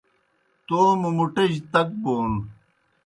توموْ مُٹِجیْ تک بون